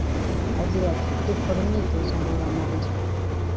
Agira ati “Dukora imyitozo ngororamubiri